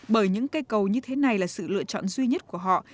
bởi những cây cầu như thế này là sự lựa chọn duy nhất của họ